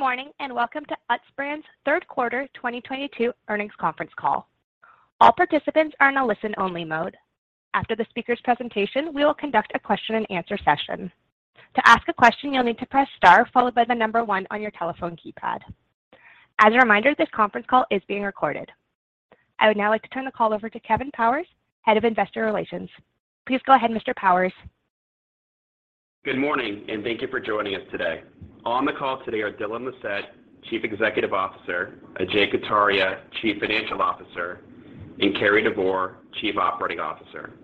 Good morning, and welcome to Utz Brands third quarter 2022 Earnings Conference Call. All participants are in a listen-only mode. After the speaker's presentation, we will conduct a question and answer session. To ask a question, you'll need to press star followed by the number one on your telephone keypad. As a reminder, this conference call is being recorded. I would now like to turn the call over to Kevin Powers, Head of Investor Relations. Please go ahead, Mr. Powers. Good morning, and thank you for joining us today. On the call today are Dylan Lissette, Chief Executive Officer, Ajay Kataria, Chief Financial Officer, and Cary Devore, Chief Operating Officer.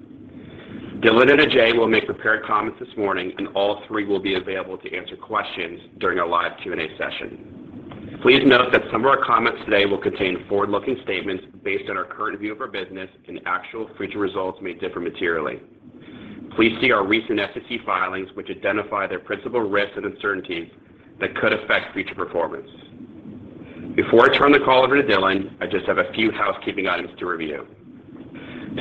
Dylan and Ajay will make prepared comments this morning, and all three will be available to answer questions during our live Q&A session. Please note that some of our comments today will contain forward-looking statements based on our current view of our business, and actual future results may differ materially. Please see our recent SEC filings, which identify their principal risks and uncertainties that could affect future performance. Before I turn the call over to Dylan, I just have a few housekeeping items to review.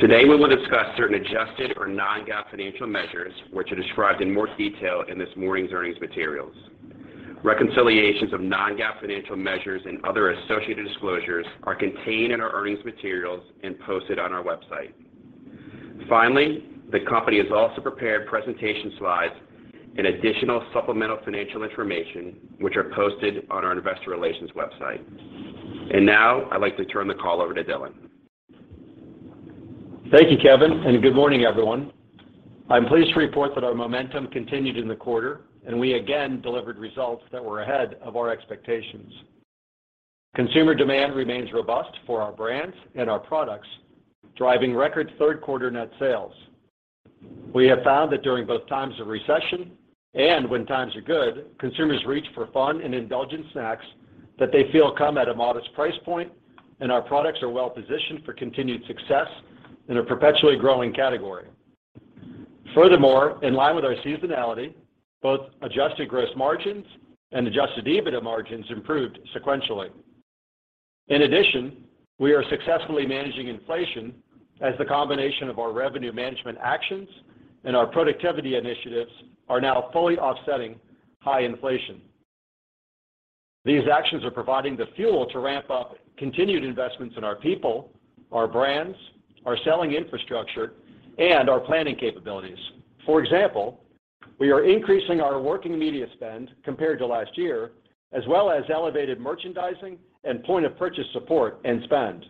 Today, we will discuss certain adjusted or non-GAAP financial measures which are described in more detail in this morning's earnings materials. Reconciliations of non-GAAP financial measures and other associated disclosures are contained in our earnings materials and posted on our website. Finally, the company has also prepared presentation slides and additional supplemental financial information, which are posted on our investor relations website. Now, I'd like to turn the call over to Dylan. Thank you, Kevin, and good morning, everyone. I'm pleased to report that our momentum continued in the quarter, and we again delivered results that were ahead of our expectations. Consumer demand remains robust for our brands and our products, driving record third quarter net sales. We have found that during both times of recession and when times are good, consumers reach for fun and indulgent snacks that they feel come at a modest price point, and our products are well-positioned for continued success in a perpetually growing category. Furthermore, in line with our seasonality, both adjusted gross margins and adjusted EBITDA margins improved sequentially. In addition, we are successfully managing inflation as the combination of our revenue management actions and our productivity initiatives are now fully offsetting high inflation. These actions are providing the fuel to ramp up continued investments in our people, our brands, our selling infrastructure, and our planning capabilities. For example, we are increasing our working media spend compared to last year, as well as elevated merchandising and point-of-purchase support and spend.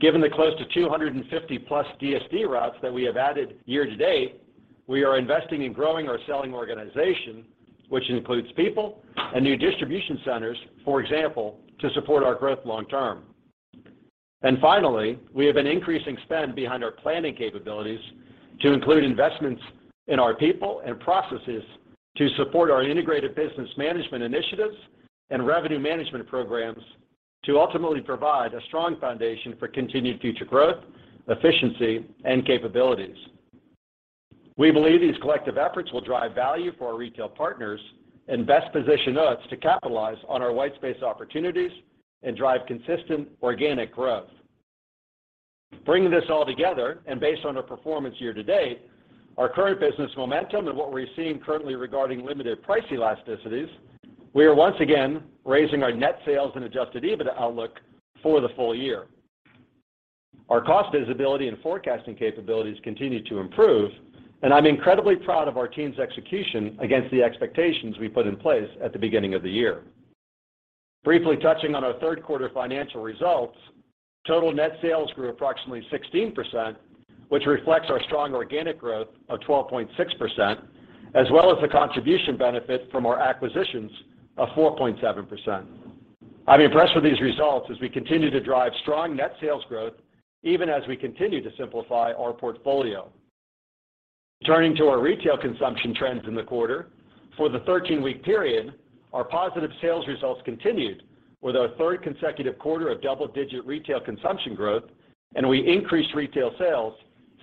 Given the close to 250+ DSD routes that we have added year to date, we are investing in growing our selling organization, which includes people and new distribution centers, for example, to support our growth long term. Finally, we have an increasing spend behind our planning capabilities to include investments in our people and processes to support our integrated business management initiatives and revenue management programs to ultimately provide a strong foundation for continued future growth, efficiency, and capabilities. We believe these collective efforts will drive value for our retail partners and best position us to capitalize on our white space opportunities and drive consistent organic growth. Bringing this all together, and based on our performance year to date, our current business momentum, and what we're seeing currently regarding limited price elasticities, we are once again raising our net sales and adjusted EBITDA outlook for the full year. Our cost visibility and forecasting capabilities continue to improve, and I'm incredibly proud of our team's execution against the expectations we put in place at the beginning of the year. Briefly touching on our third quarter financial results, total net sales grew approximately 16%, which reflects our strong organic growth of 12.6%, as well as the contribution benefit from our acquisitions of 4.7%. I'm impressed with these results as we continue to drive strong net sales growth, even as we continue to simplify our portfolio. Turning to our retail consumption trends in the quarter, for the 13-week period, our positive sales results continued with our third consecutive quarter of double-digit retail consumption growth, and we increased retail sales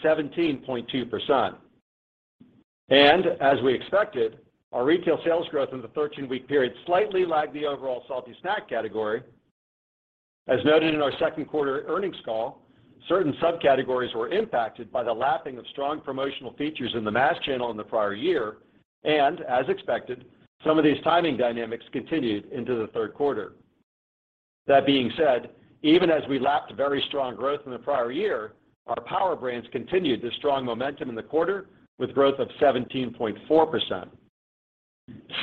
17.2%. As we expected, our retail sales growth in the 13-week period slightly lagged the overall salty snack category. As noted in our second quarter earnings call, certain subcategories were impacted by the lapping of strong promotional features in the mass channel in the prior year, and as expected, some of these timing dynamics continued into the third quarter. That being said, even as we lapped very strong growth in the prior year, our power brands continued the strong momentum in the quarter with growth of 17.4%.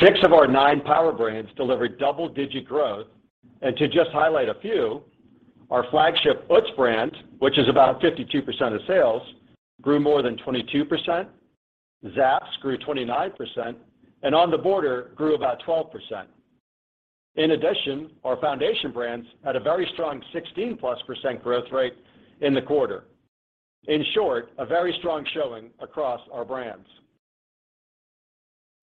Six of our nine power brands delivered double-digit growth. To just highlight a few, our flagship Utz brand, which is about 52% of sales, grew more than 22%. Zapp's grew 29%, and On The Border grew about 12%. In addition, our foundation brands had a very strong 16+% growth rate in the quarter. In short, a very strong showing across our brands.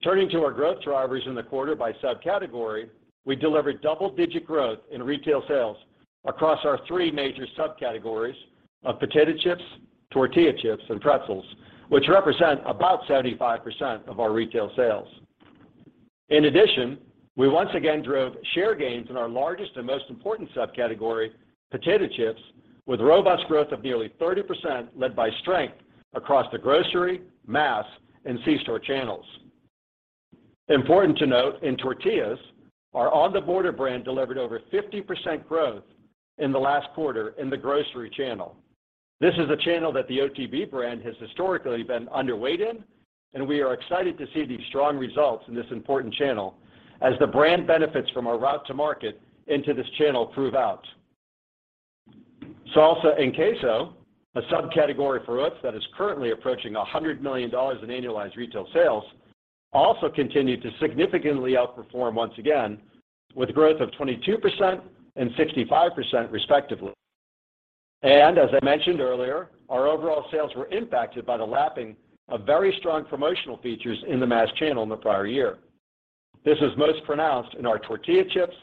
Turning to our growth drivers in the quarter by subcategory, we delivered double-digit growth in retail sales across our three major subcategories of potato chips, tortilla chips, and pretzels, which represent about 75% of our retail sales. In addition, we once again drove share gains in our largest and most important subcategory, potato chips, with robust growth of nearly 30% led by strength across the grocery, mass, and C-store channels. Important to note, in tortillas, our On The Border brand delivered over 50% growth in the last quarter in the grocery channel. This is a channel that the OTB brand has historically been underweight in, and we are excited to see these strong results in this important channel as the brand benefits from our route to market into this channel prove out. Salsa and queso, a subcategory for Utz that is currently approaching $100 million in annualized retail sales, also continued to significantly outperform once again, with growth of 22% and 65% respectively. As I mentioned earlier, our overall sales were impacted by the lapping of very strong promotional features in the mass channel in the prior year. This was most pronounced in our tortilla chips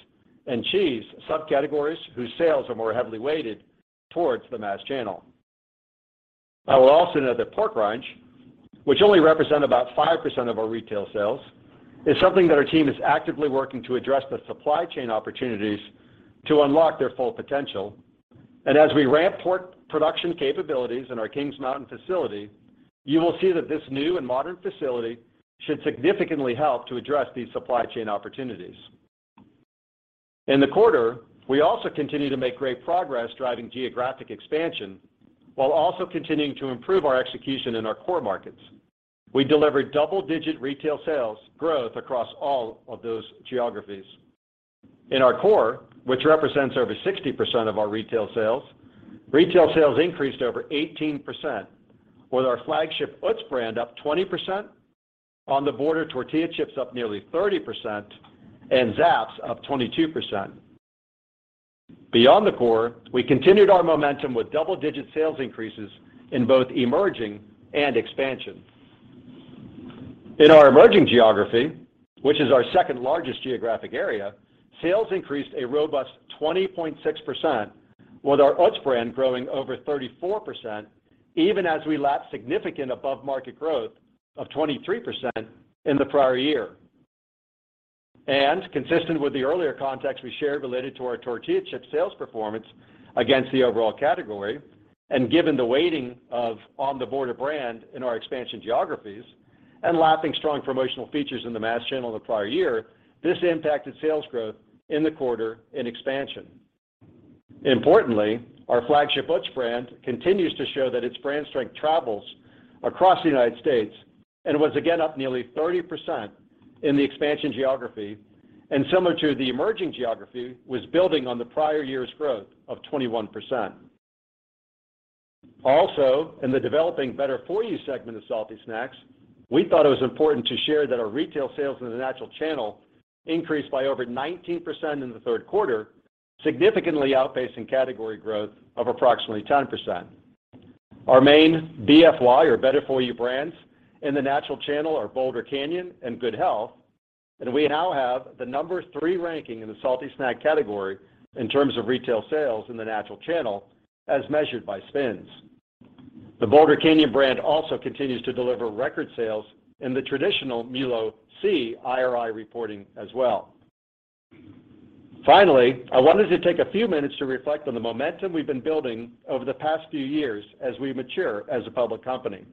and cheese subcategories, whose sales are more heavily weighted towards the mass channel. I will also note that pork rinds, which only represent about 5% of our retail sales, is something that our team is actively working to address the supply chain opportunities to unlock their full potential. As we ramp pork production capabilities in our Kings Mountain facility, you will see that this new and modern facility should significantly help to address these supply chain opportunities. In the quarter, we also continued to make great progress driving geographic expansion while also continuing to improve our execution in our core markets. We delivered double-digit retail sales growth across all of those geographies. In our core, which represents over 60% of our retail sales, retail sales increased over 18%, with our flagship Utz brand up 20%, On The Border tortilla chips up nearly 30%, and Zapp's up 22%. Beyond the core, we continued our momentum with double-digit sales increases in both emerging and expansion. In our emerging geography, which is our second-largest geographic area, sales increased a robust 20.6%, with our Utz brand growing over 34%, even as we lapped significant above-market growth of 23% in the prior year. Consistent with the earlier context we shared related to our tortilla chip sales performance against the overall category, and given the weighting of On The Border brand in our expansion geographies and lapping strong promotional features in the mass channel in the prior year, this impacted sales growth in the quarter in expansion. Importantly, our flagship Utz brand continues to show that its brand strength travels across the United States and was again up nearly 30% in the expansion geography, and similar to the emerging geography, was building on the prior year's growth of 21%. Also, in the developing better-for-you segment of salty snacks, we thought it was important to share that our retail sales in the natural channel increased by over 19% in the third quarter, significantly outpacing category growth of approximately 10%. Our main BFY, or better-for-you brands, in the natural channel are Boulder Canyon and Good Health, and we now have the number three ranking in the salty snack category in terms of retail sales in the natural channel as measured by SPINS. The Boulder Canyon brand also continues to deliver record sales in the traditional MULO C IRI reporting as well. Finally, I wanted to take a few minutes to reflect on the momentum we've been building over the past few years as we mature as a public company.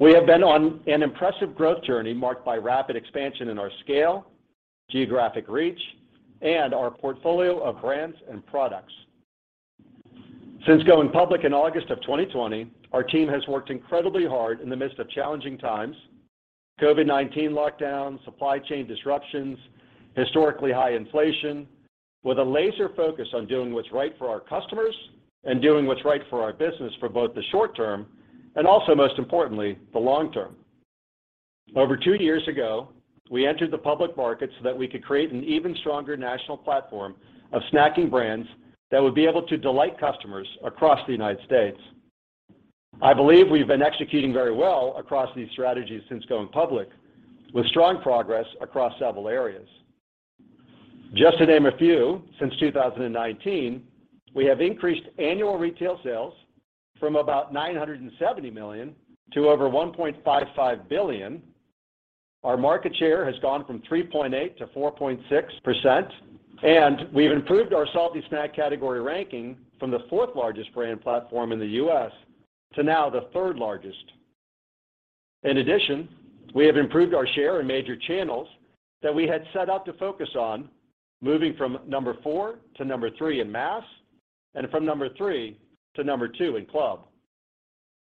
We have been on an impressive growth journey marked by rapid expansion in our scale, geographic reach, and our portfolio of brands and products. Since going public in August of 2020, our team has worked incredibly hard in the midst of challenging times, COVID-19 lockdowns, supply chain disruptions, historically high inflation, with a laser focus on doing what's right for our customers and doing what's right for our business for both the short term and also, most importantly, the long term. Over two years ago, we entered the public market so that we could create an even stronger national platform of snacking brands that would be able to delight customers across the United States. I believe we've been executing very well across these strategies since going public, with strong progress across several areas. Just to name a few, since 2019, we have increased annual retail sales from about $970 million to over $1.55 billion. Our market share has gone from 3.8%-4.6%. We've improved our salty snack category ranking from the fourth largest brand platform in the U.S. to now the third largest. In addition, we have improved our share in major channels that we had set out to focus on, moving from 4 to 3 in mass and from 3 to 2 in club.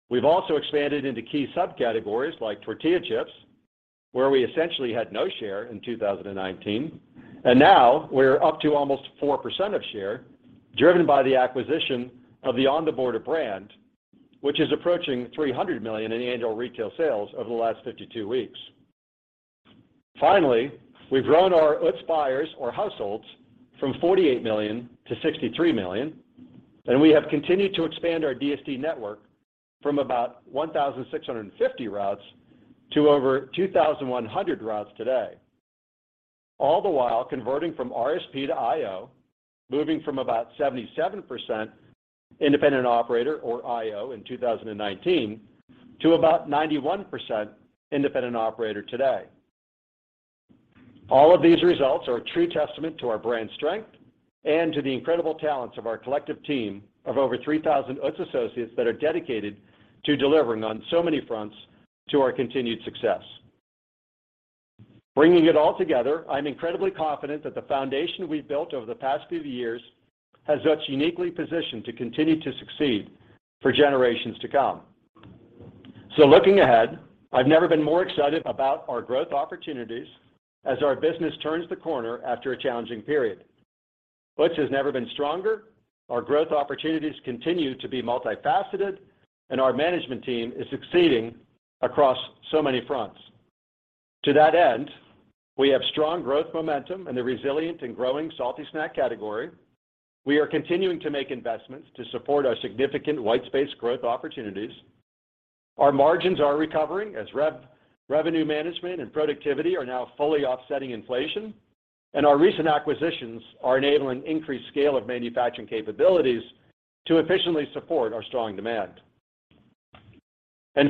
We've also expanded into key subcategories like tortilla chips, where we essentially had no share in 2019, and now we're up to almost 4% of share, driven by the acquisition of the On The Border brand, which is approaching $300 million in annual retail sales over the last 52 weeks. Finally, we've grown our Utz buyers or households from 48 million to 63 million, and we have continued to expand our DSD network from about 1,650 routes to over 2,100 routes today, all the while converting from RSP to IO, moving from about 77% independent operator or IO in 2019 to about 91% independent operator today. All of these results are a true testament to our brand strength and to the incredible talents of our collective team of over 3,000 Utz associates that are dedicated to delivering on so many fronts to our continued success. Bringing it all together, I'm incredibly confident that the foundation we've built over the past few years has Utz uniquely positioned to continue to succeed for generations to come. Looking ahead, I've never been more excited about our growth opportunities as our business turns the corner after a challenging period. Utz has never been stronger. Our growth opportunities continue to be multifaceted, and our management team is succeeding across so many fronts. To that end, we have strong growth momentum in the resilient and growing salty snack category. We are continuing to make investments to support our significant white space growth opportunities. Our margins are recovering as revenue management and productivity are now fully offsetting inflation, and our recent acquisitions are enabling increased scale of manufacturing capabilities to efficiently support our strong demand.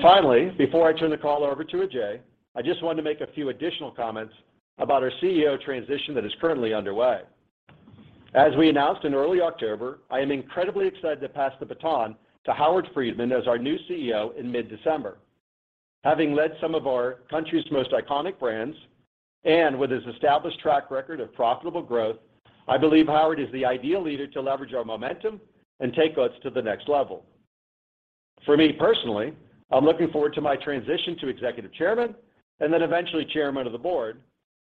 Finally, before I turn the call over to Ajay, I just wanted to make a few additional comments about our CEO transition that is currently underway. As we announced in early October, I am incredibly excited to pass the baton to Howard Friedman as our new CEO in mid-December. Having led some of our country's most iconic brands and with his established track record of profitable growth, I believe Howard is the ideal leader to leverage our momentum and take us to the next level. For me personally, I'm looking forward to my transition to Executive Chairman and then eventually Chairman of the Board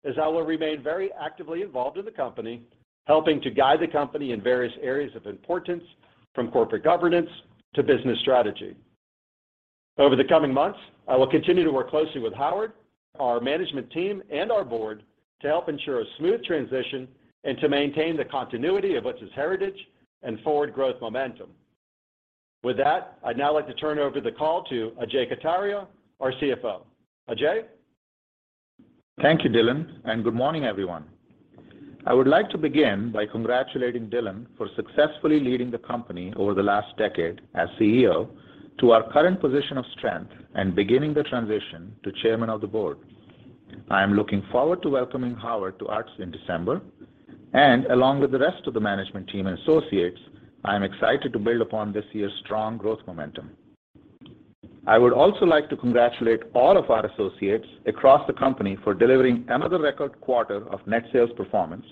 as I will remain very actively involved in the company, helping to guide the company in various areas of importance, from corporate governance to business strategy. Over the coming months, I will continue to work closely with Howard, our management team, and our board to help ensure a smooth transition and to maintain the continuity of Utz's heritage and forward growth momentum. With that, I'd now like to turn over the call to Ajay Kataria, our CFO. Ajay. Thank you, Dylan, and good morning, everyone. I would like to begin by congratulating Dylan for successfully leading the company over the last decade as CEO to our current position of strength and beginning the transition to Chairman of the Board. I am looking forward to welcoming Howard to Utz in December, and along with the rest of the management team and associates, I am excited to build upon this year's strong growth momentum. I would also like to congratulate all of our associates across the company for delivering another record quarter of net sales performance,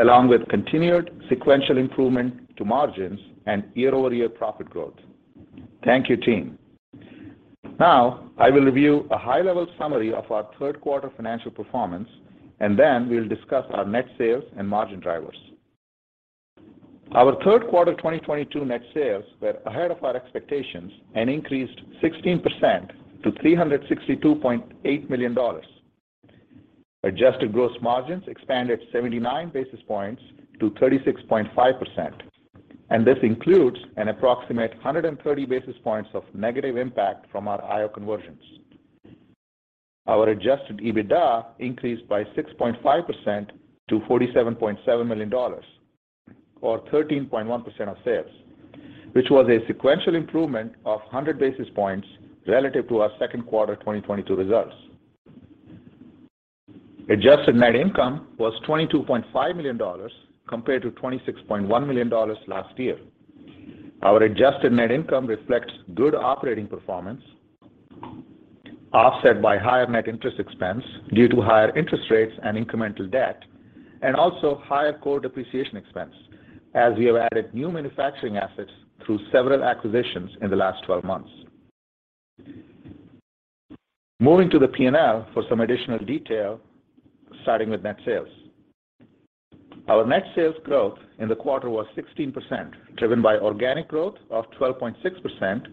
along with continued sequential improvement to margins and year-over-year profit growth. Thank you, team. Now, I will review a high-level summary of our third quarter financial performance, and then we'll discuss our net sales and margin drivers. Our third quarter 2022 net sales were ahead of our expectations and increased 16% to $362.8 million. Adjusted gross margins expanded 79 basis points to 36.5%, and this includes approximately 130 basis points of negative impact from our IO conversions. Our adjusted EBITDA increased by 6.5% to $47.7 million or 13.1% of sales, which was a sequential improvement of 100 basis points relative to our second quarter 2022 results. Adjusted net income was $22.5 million compared to $26.1 million last year. Our adjusted net income reflects good operating performance, offset by higher net interest expense due to higher interest rates and incremental debt, and also higher core depreciation expense, as we have added new manufacturing assets through several acquisitions in the last 12 months. Moving to the P&L for some additional detail, starting with net sales. Our net sales growth in the quarter was 16%, driven by organic growth of 12.6%,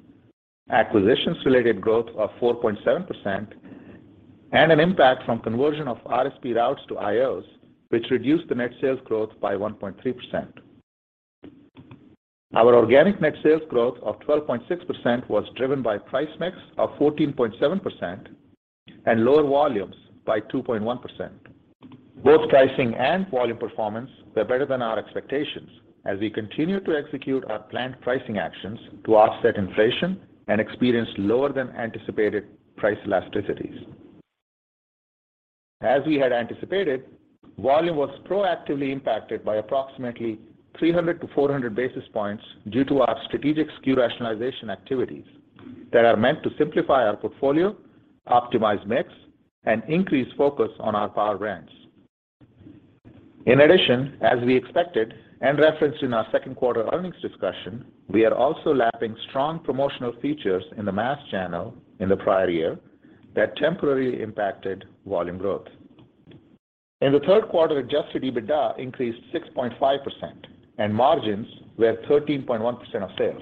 acquisitions related growth of 4.7%, and an impact from conversion of RSP routes to IOs, which reduced the net sales growth by 1.3%. Our organic net sales growth of 12.6% was driven by price mix of 14.7% and lower volumes by 2.1%. Both pricing and volume performance were better than our expectations as we continue to execute our planned pricing actions to offset inflation and experienced lower than anticipated price elasticities. As we had anticipated, volume was proactively impacted by approximately 300-400 basis points due to our strategic SKU rationalization activities that are meant to simplify our portfolio, optimize mix, and increase focus on our power brands. In addition, as we expected and referenced in our second quarter earnings discussion, we are also lapping strong promotional features in the mass channel in the prior year that temporarily impacted volume growth. In the third quarter, adjusted EBITDA increased 6.5% and margins were 13.1% of sales.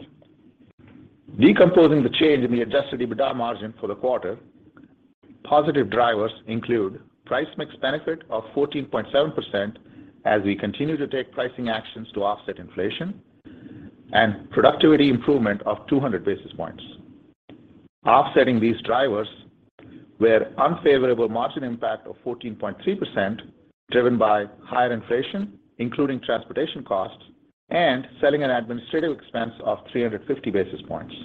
Decomposing the change in the adjusted EBITDA margin for the quarter, positive drivers include price mix benefit of 14.7% as we continue to take pricing actions to offset inflation and productivity improvement of 200 basis points. Offsetting these drivers were unfavorable margin impact of 14.3%, driven by higher inflation, including transportation costs and selling and administrative expense of 350 basis points.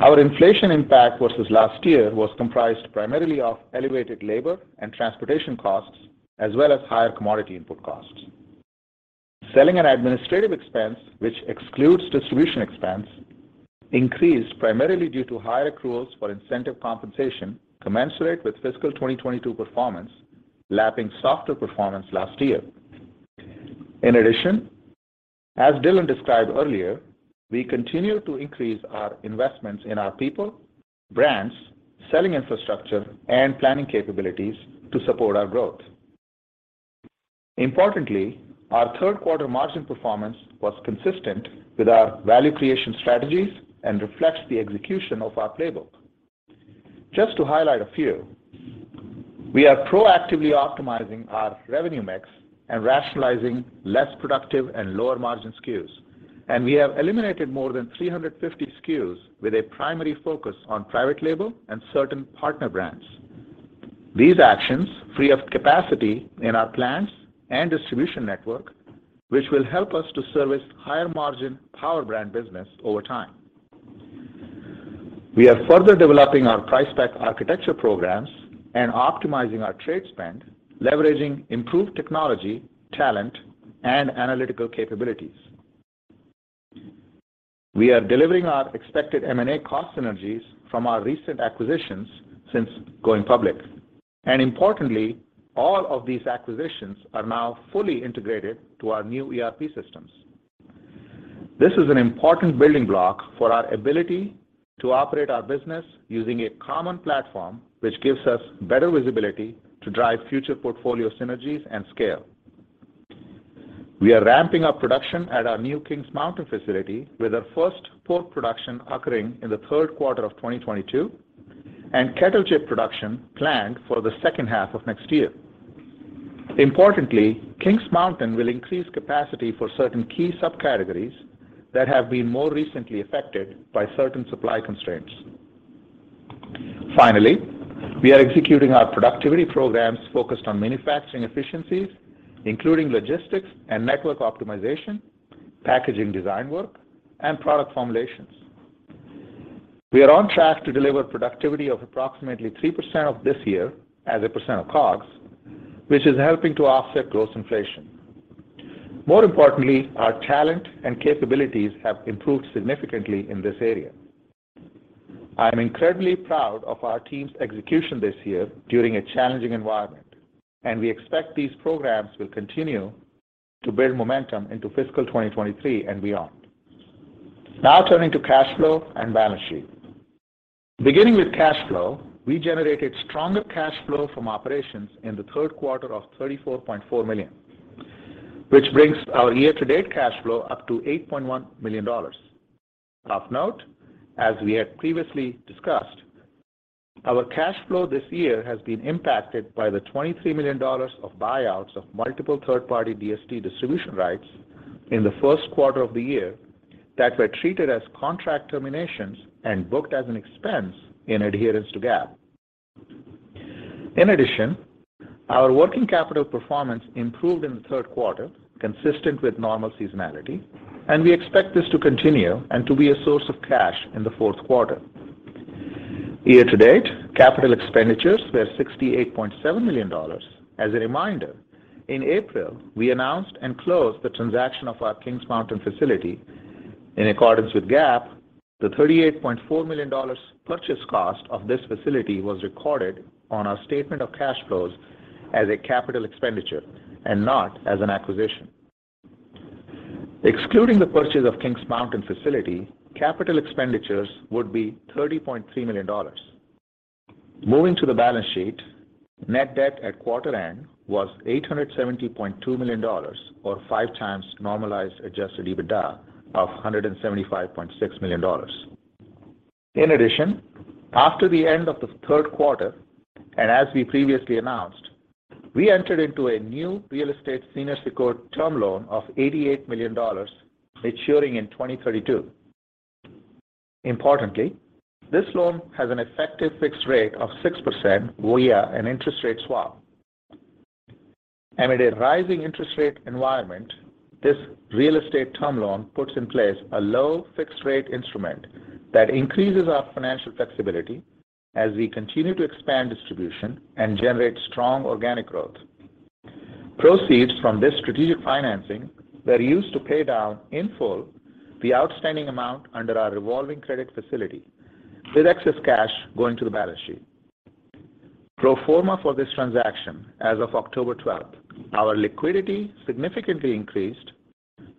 Our inflation impact versus last year was comprised primarily of elevated labor and transportation costs as well as higher commodity input costs. Selling and administrative expense, which excludes distribution expense, increased primarily due to high accruals for incentive compensation commensurate with fiscal 2022 performance, lapping softer performance last year. In addition, as Dylan described earlier, we continue to increase our investments in our people, brands, selling infrastructure, and planning capabilities to support our growth. Importantly, our third quarter margin performance was consistent with our value creation strategies and reflects the execution of our playbook. Just to highlight a few, we are proactively optimizing our revenue mix and rationalizing less productive and lower margin SKUs. We have eliminated more than 350 SKUs with a primary focus on private label and certain partner brands. These actions free up capacity in our plants and distribution network, which will help us to service higher margin power brand business over time. We are further developing our price pack architecture programs and optimizing our trade spend, leveraging improved technology, talent, and analytical capabilities. We are delivering our expected M&A cost synergies from our recent acquisitions since going public. Importantly, all of these acquisitions are now fully integrated to our new ERP systems. This is an important building block for our ability to operate our business using a common platform, which gives us better visibility to drive future portfolio synergies and scale. We are ramping up production at our new Kings Mountain facility, with our first pork production occurring in the third quarter of 2022, and kettle chip production planned for the second half of next year. Importantly, Kings Mountain will increase capacity for certain key subcategories that have been more recently affected by certain supply constraints. Finally, we are executing our productivity programs focused on manufacturing efficiencies, including logistics and network optimization, packaging design work, and product formulations. We are on track to deliver productivity of approximately 3% of this year as a percent of COGS, which is helping to offset gross inflation. More importantly, our talent and capabilities have improved significantly in this area. I am incredibly proud of our team's execution this year during a challenging environment, and we expect these programs will continue to build momentum into fiscal 2023 and beyond. Now turning to cash flow and balance sheet. Beginning with cash flow, we generated stronger cash flow from operations in the third quarter of $34.4 million, which brings our year-to-date cash flow up to $8.1 million. Of note, as we have previously discussed, our cash flow this year has been impacted by the $23 million of buyouts of multiple third-party DSD distribution rights in the first quarter of the year that were treated as contract terminations and booked as an expense in adherence to GAAP. In addition, our working capital performance improved in the third quarter, consistent with normal seasonality, and we expect this to continue and to be a source of cash in the fourth quarter. Year to date, capital expenditures were $68.7 million. As a reminder, in April, we announced and closed the transaction of our Kings Mountain facility. In accordance with GAAP, the $38.4 million purchase cost of this facility was recorded on our statement of cash flows as a capital expenditure and not as an acquisition. Excluding the purchase of Kings Mountain facility, capital expenditures would be $30.3 million. Moving to the balance sheet, net debt at quarter end was $870.2 million or 5x normalized adjusted EBITDA of $175.6 million. In addition, after the end of the third quarter, and as we previously announced, we entered into a new real estate senior secured term loan of $88 million maturing in 2032. Importantly, this loan has an effective fixed rate of 6% via an interest rate swap. Amid a rising interest rate environment, this real estate term loan puts in place a low fixed rate instrument that increases our financial flexibility as we continue to expand distribution and generate strong organic growth. Proceeds from this strategic financing were used to pay down in full the outstanding amount under our revolving credit facility, with excess cash going to the balance sheet. Pro forma for this transaction as of October 12, our liquidity significantly increased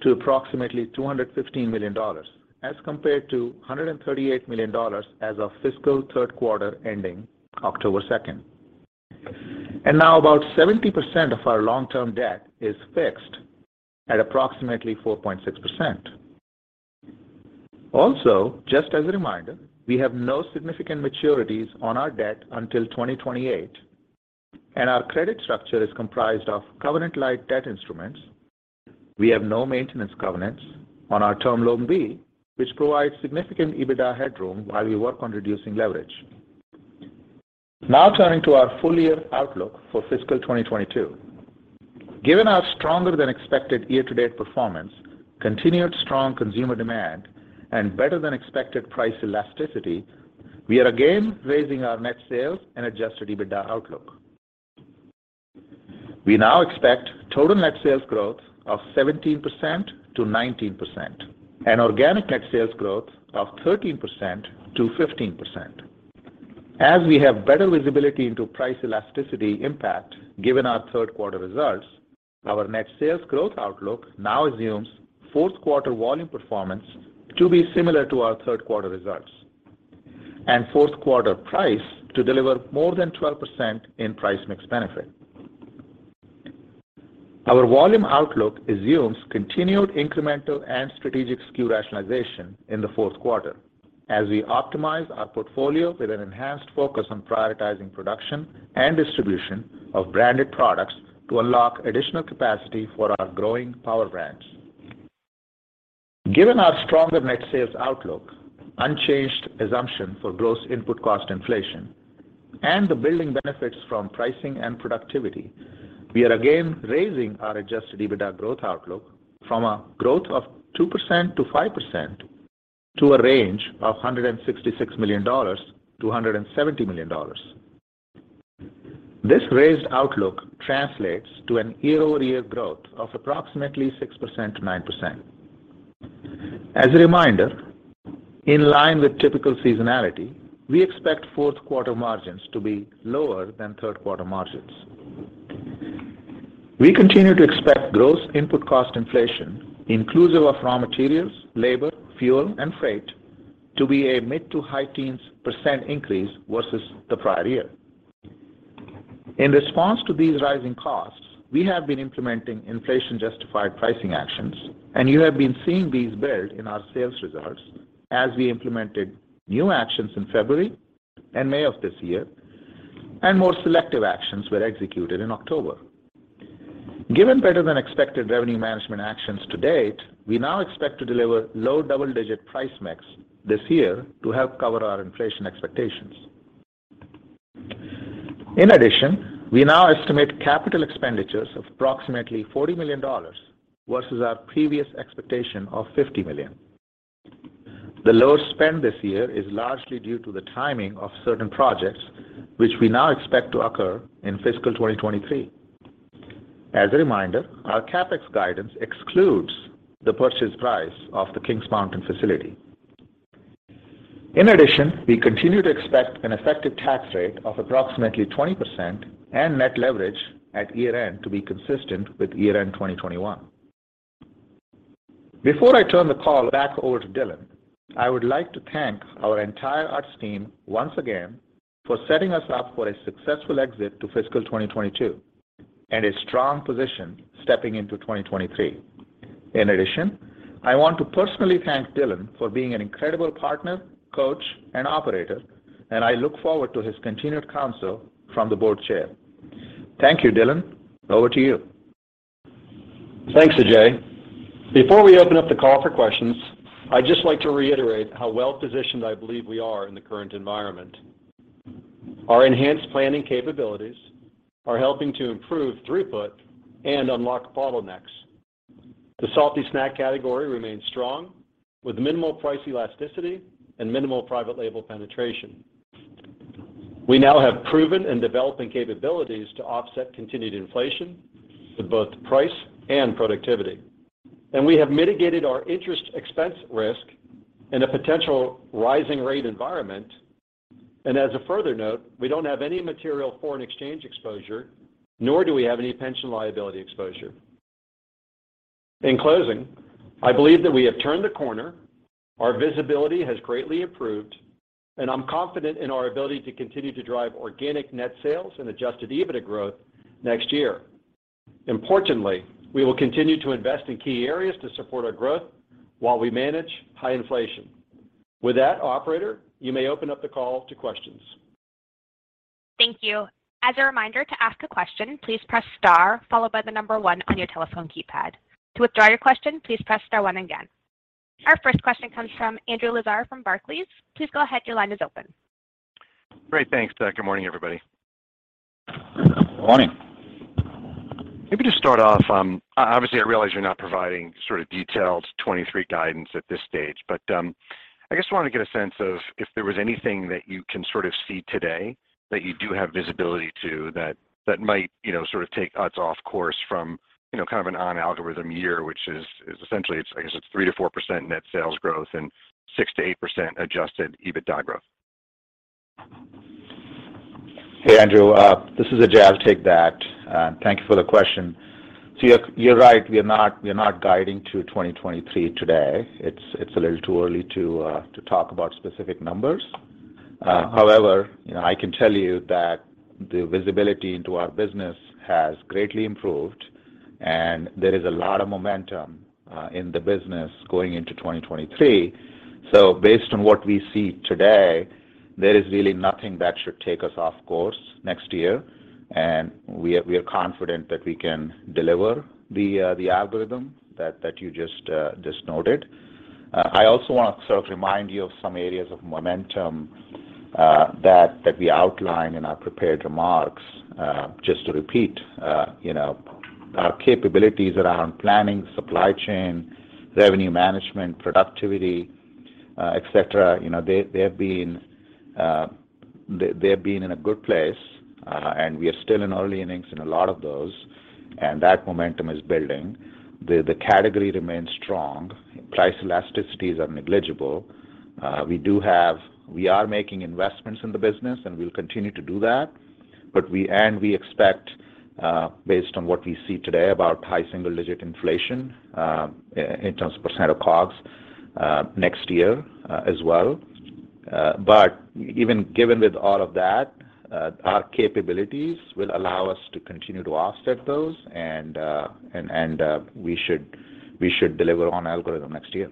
to approximately $215 million as compared to $138 million as of fiscal third quarter ending October 2. Now about 70% of our long-term debt is fixed at approximately 4.6%. Also, just as a reminder, we have no significant maturities on our debt until 2028, and our credit structure is comprised of covenant light debt instruments. We have no maintenance covenants on our Term Loan B, which provides significant EBITDA headroom while we work on reducing leverage. Now turning to our full year outlook for fiscal 2022. Given our stronger than expected year-to-date performance, continued strong consumer demand, and better than expected price elasticity, we are again raising our net sales and adjusted EBITDA outlook. We now expect total net sales growth of 17%-19% and organic net sales growth of 13%-15%. As we have better visibility into price elasticity impact given our third quarter results, our net sales growth outlook now assumes fourth quarter volume performance to be similar to our third quarter results and fourth quarter price to deliver more than 12% in price mix benefit. Our volume outlook assumes continued incremental and strategic SKU rationalization in the fourth quarter as we optimize our portfolio with an enhanced focus on prioritizing production and distribution of branded products to unlock additional capacity for our growing power brands. Given our stronger net sales outlook, unchanged assumption for gross input cost inflation, and the building benefits from pricing and productivity, we are again raising our adjusted EBITDA growth outlook from a growth of 2% to 5% to a range of $166 million-$170 million. This raised outlook translates to a year-over-year growth of approximately 6%-9%. As a reminder, in line with typical seasonality, we expect fourth quarter margins to be lower than third quarter margins. We continue to expect gross input cost inflation inclusive of raw materials, labor, fuel, and freight to be a mid-to-high teens % increase versus the prior year. In response to these rising costs, we have been implementing inflation-justified pricing actions, and you have been seeing these build in our sales results as we implemented new actions in February and May of this year, and more selective actions were executed in October. Given better than expected revenue management actions to date, we now expect to deliver low double-digit price mix this year to help cover our inflation expectations. In addition, we now estimate capital expenditures of approximately $40 million versus our previous expectation of $50 million. The lower spend this year is largely due to the timing of certain projects, which we now expect to occur in fiscal 2023. As a reminder, our CapEx guidance excludes the purchase price of the Kings Mountain facility. In addition, we continue to expect an effective tax rate of approximately 20% and net leverage at year-end to be consistent with year-end 2021. Before I turn the call back over to Dylan, I would like to thank our entire Utz team once again for setting us up for a successful exit to fiscal 2022 and a strong position stepping into 2023. In addition, I want to personally thank Dylan for being an incredible partner, coach, and operator, and I look forward to his continued counsel from the board chair. Thank you, Dylan. Over to you. Thanks, Ajay. Before we open up the call for questions, I'd just like to reiterate how well-positioned I believe we are in the current environment. Our enhanced planning capabilities are helping to improve throughput and unlock bottlenecks. The salty snack category remains strong with minimal price elasticity and minimal private label penetration. We now have proven and developing capabilities to offset continued inflation with both price and productivity. We have mitigated our interest expense risk in a potential rising rate environment. As a further note, we don't have any material foreign exchange exposure, nor do we have any pension liability exposure. In closing, I believe that we have turned the corner, our visibility has greatly improved, and I'm confident in our ability to continue to drive organic net sales and adjusted EBITDA growth next year. Importantly, we will continue to invest in key areas to support our growth while we manage high inflation. With that, operator, you may open up the call to questions. Thank you. As a reminder to ask a question, please press star followed by the number one on your telephone keypad. To withdraw your question, please press star one again. Our first question comes from Andrew Lazar from Barclays. Please go ahead, your line is open. Great. Thanks. Good morning, everybody. Morning. Maybe just start off, obviously I realize you're not providing sort of detailed 2023 guidance at this stage, but I just wanted to get a sense of if there was anything that you can sort of see today that you do have visibility to that might, you know, sort of take Utz off course from, you know, kind of an on-algorithm year, which is essentially, I guess, it's 3%-4% net sales growth and 6%-8% adjusted EBITDA growth. Hey, Andrew, this is Ajay. I'll take that. Thank you for the question. You're right. We're not guiding to 2023 today. It's a little too early to talk about specific numbers. However, you know, I can tell you that the visibility into our business has greatly improved, and there is a lot of momentum in the business going into 2023. Based on what we see today, there is really nothing that should take us off course next year. We are confident that we can deliver the algorithm that you just noted. I also want to sort of remind you of some areas of momentum that we outlined in our prepared remarks, just to repeat, you know, our capabilities around planning, supply chain, revenue management, productivity, et cetera, you know, they have been in a good place, and we are still in early innings in a lot of those, and that momentum is building. The category remains strong. Price elasticities are negligible. We are making investments in the business, and we'll continue to do that. We expect, based on what we see today, about high single-digit inflation, in terms of percent of COGS, next year, as well. Even with all of that, our capabilities will allow us to continue to offset those and we should deliver on guidance next year.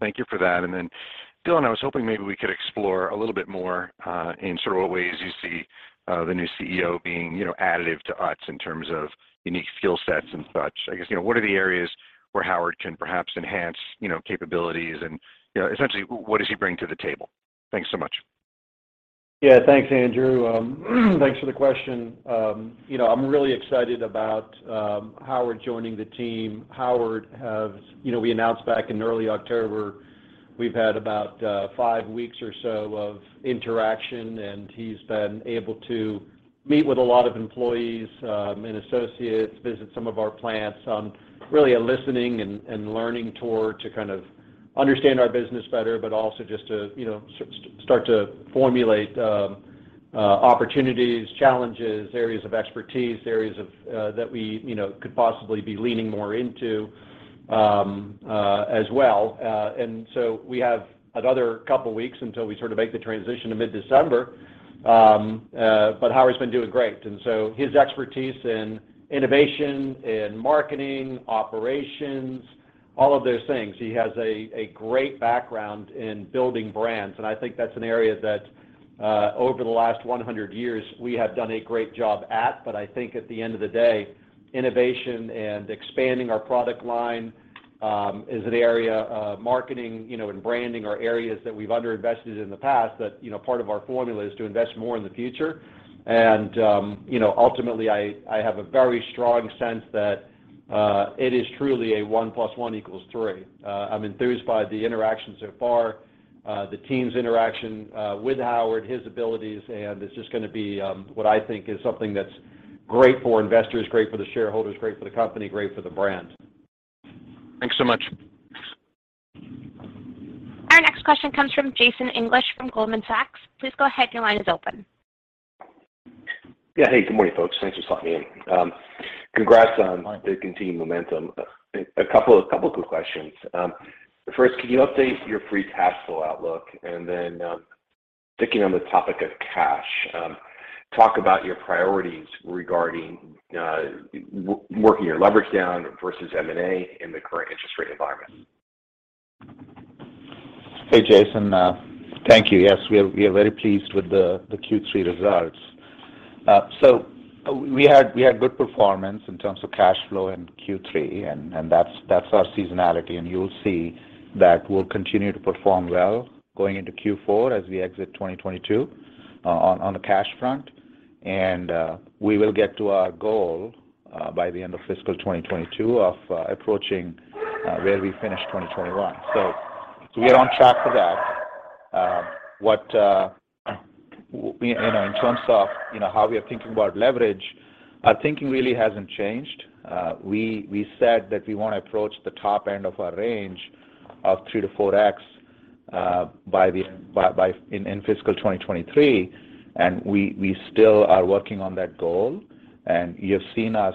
Thank you for that. Dylan, I was hoping maybe we could explore a little bit more in sort of what ways you see the new CEO being, you know, additive to Utz in terms of unique skill sets and such. I guess, you know, what are the areas where Howard can perhaps enhance, you know, capabilities and, you know, essentially, what does he bring to the table? Thanks so much. Yeah, thanks, Andrew. Thanks for the question. You know, I'm really excited about Howard joining the team. Howard has, you know, we announced back in early October, we've had about five weeks or so of interaction, and he's been able to meet with a lot of employees and associates, visit some of our plants on really a listening and learning tour to kind of understand our business better, but also just to, you know, start to formulate opportunities, challenges, areas of expertise, areas of that we, you know, could possibly be leaning more into as well. We have another couple of weeks until we sort of make the transition in mid-December, but Howard's been doing great. His expertise in innovation, in marketing, operations, all of those things. He has a great background in building brands. I think that's an area that over the last 100 years, we have done a great job at. I think at the end of the day, innovation and expanding our product line is an area, marketing, you know, and branding are areas that we've underinvested in the past that, you know, part of our formula is to invest more in the future. You know, ultimately, I have a very strong sense that it is truly a one plus one equals three. I'm enthused by the interaction so far, the team's interaction with Howard, his abilities, and it's just gonna be what I think is something that's great for investors, great for the shareholders, great for the company, great for the brand. Thanks so much. Our next question comes from Jason English from Goldman Sachs. Please go ahead, your line is open. Yeah. Hey, good morning, folks. Thanks for letting me in. Congrats on the continued momentum. A couple of quick questions. First, can you update your free cash flow outlook? Then, sticking on the topic of cash, talk about your priorities regarding working your leverage down versus M&A in the current interest rate environment. Hey, Jason. Thank you. Yes, we are very pleased with the Q3 results. We had good performance in terms of cash flow in Q3, and that's our seasonality. You'll see that we'll continue to perform well going into Q4 as we exit 2022 on the cash front. We will get to our goal by the end of fiscal 2022 of approaching where we finished 2021. We're on track for that. You know, in terms of you know, how we are thinking about leverage, our thinking really hasn't changed. We said that we wanna approach the top end of our range of 3-4x by fiscal 2023, and we still are working on that goal. You've seen us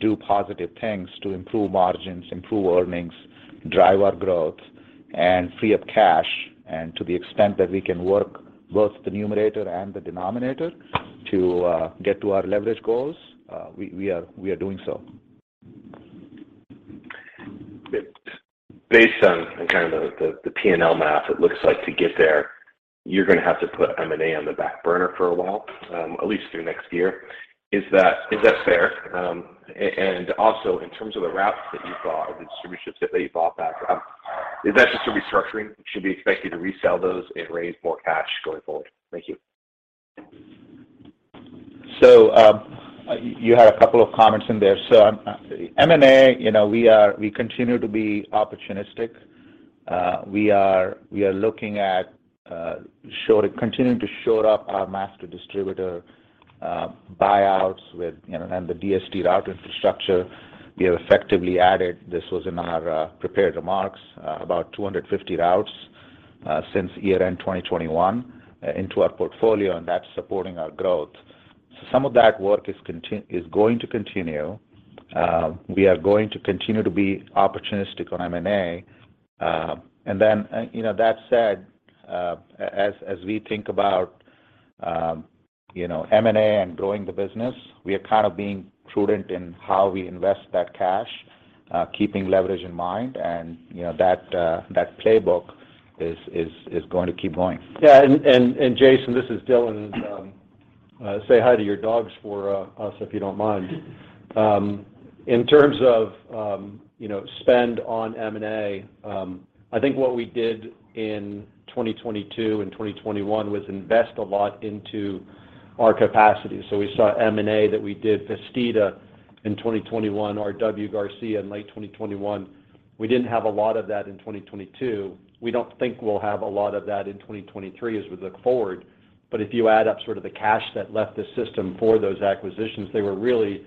do positive things to improve margins, improve earnings, drive our growth, and free up cash. To the extent that we can work both the numerator and the denominator to get to our leverage goals, we are doing so. Based on kind of the P&L math, it looks like to get there, you're gonna have to put M&A on the back burner for a while, at least through next year. Is that fair? And also, in terms of the routes that you bought or the distribution that you bought back, is that just a restructuring? Should we expect you to resell those and raise more cash going forward? Thank you. You had a couple of comments in there. M&A, you know, we continue to be opportunistic. We are looking at continuing to shore up our master distributor buyouts with, you know, and the DSD route infrastructure. We have effectively added, this was in our prepared remarks, about 250 routes since year-end 2021 into our portfolio, and that's supporting our growth. Some of that work is going to continue. We are going to continue to be opportunistic on M&A. And then, you know, that said, as we think about, you know, M&A and growing the business, we are kind of being prudent in how we invest that cash, keeping leverage in mind. You know, that playbook is going to keep going. Yeah. Jason, this is Dylan. Say hi to your dogs for us if you don't mind. In terms of you know spend on M&A, I think what we did in 2022 and 2021 was invest a lot into our capacity. We saw M&A that we did Festida Foods in 2021, R.W. Garcia in late 2021. We didn't have a lot of that in 2022. We don't think we'll have a lot of that in 2023 as we look forward. If you add up sort of the cash that left the system for those acquisitions, they were really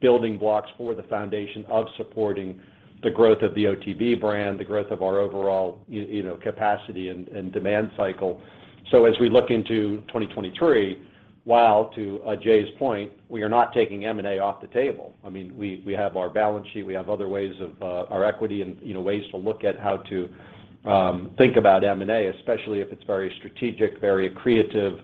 building blocks for the foundation of supporting the growth of the OTB brand, the growth of our overall you know capacity and demand cycle. As we look into 2023, while to Ajay's point, we are not taking M&A off the table. I mean, we have our balance sheet, we have other ways of our equity and, you know, ways to look at how to think about M&A, especially if it's very strategic, very creative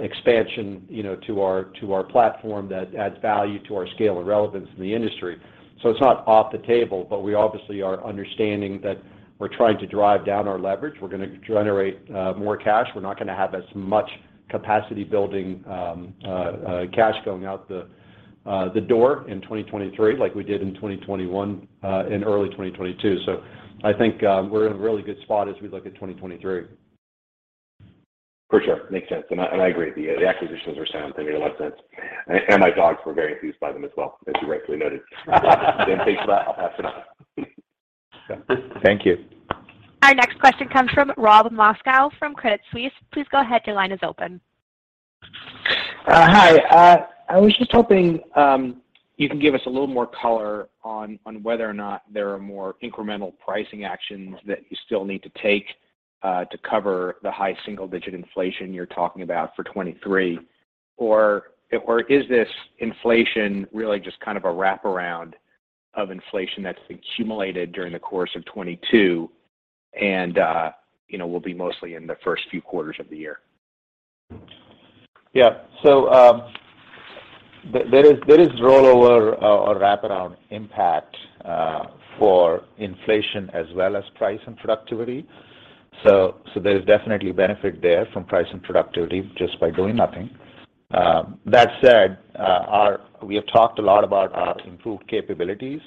expansion, you know, to our platform that adds value to our scale and relevance in the industry. It's not off the table, but we obviously are understanding that we're trying to drive down our leverage. We're gonna generate more cash. We're not gonna have as much capacity building cash going out the door in 2023 like we did in 2021 and early 2022. I think we're in a really good spot as we look at 2023. For sure. Makes sense. I agree. The acquisitions were sound. They made a lot of sense. My dogs were very enthused by them as well, as you rightly noted. Jason, thanks for that. I'll pass it on. Thank you. Our next question comes from Robert Moskow from Credit Suisse. Please go ahead, your line is open. Hi. I was just hoping you can give us a little more color on whether or not there are more incremental pricing actions that you still need to take to cover the high single digit inflation you're talking about for 2023 or is this inflation really just kind of a wraparound of inflation that's accumulated during the course of 2022 and you know will be mostly in the first few quarters of the year? Yeah. There is rollover or wraparound impact for inflation as well as price and productivity. There's definitely benefit there from price and productivity just by doing nothing. That said, we have talked a lot about our improved capabilities.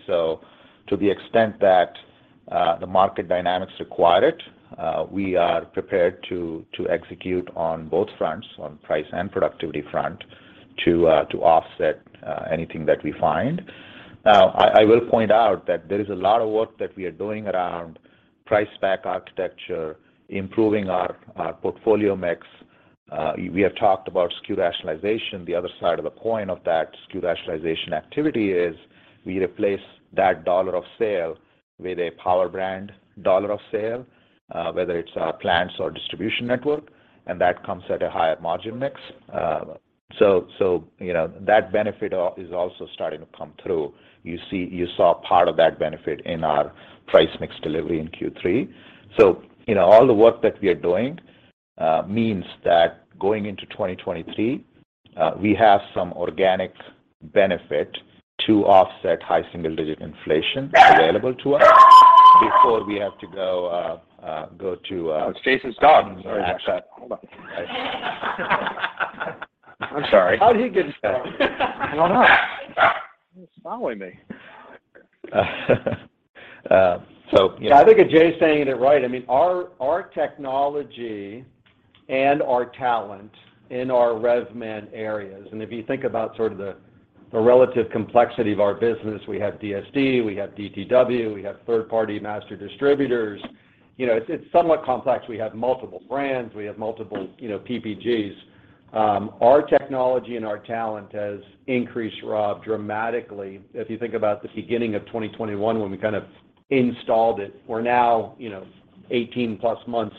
To the extent that the market dynamics require it, we are prepared to execute on both fronts, on price and productivity front, to offset anything that we find. Now, I will point out that there is a lot of work that we are doing around price pack architecture, improving our portfolio mix. We have talked about SKU rationalization. The other side of the coin of that SKU rationalization activity is we replace that dollar of sale with a power brand dollar of sale, whether it's our plants or distribution network, and that comes at a higher margin mix. You know, that benefit is also starting to come through. You saw part of that benefit in our price mix delivery in Q3. You know, all the work that we are doing means that going into 2023, we have some organic benefit to offset high single digit inflation available to us before we have to go to. It's Jason's dog. Sorry about that. Hold on. I'm sorry. How'd he get in here? I don't know. He's following me. Yeah. I think Ajay's saying it right. I mean, our technology and our talent in our RevMan areas, and if you think about sort of the relative complexity of our business, we have DSD, we have DTW, we have third party master distributors. You know, it's somewhat complex. We have multiple brands, we have multiple, you know, PPGs. Our technology and our talent has increased, Rob, dramatically. If you think about the beginning of 2021 when we kind of installed it, we're now, you know, 18+ months